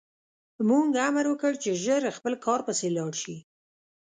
موږ امر وکړ چې ژر خپل کار پسې لاړ شي